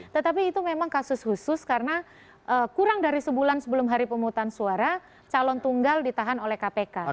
tetapi itu memang kasus khusus karena kurang dari sebulan sebelum hari pemutusan suara calon tunggal ditahan oleh kpk